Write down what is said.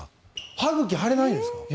歯茎、腫れないんですか？